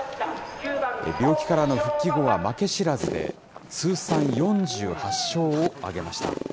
病気からの復帰後は負け知らずで、通算４８勝を挙げました。